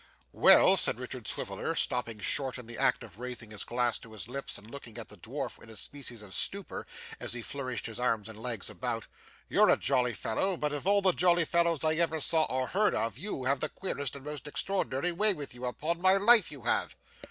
'Well,' said Richard Swiveller, stopping short in the act of raising the glass to his lips and looking at the dwarf in a species of stupor as he flourished his arms and legs about: 'you're a jolly fellow, but of all the jolly fellows I ever saw or heard of, you have the queerest and most extraordinary way with you, upon my life you have.